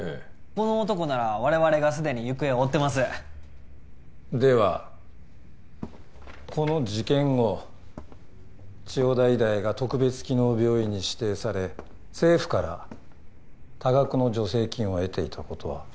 この男なら我々がすでに行方を追ってますではこの事件後千代田医大が特別機能病院に指定され政府から多額の助成金を得ていたことは？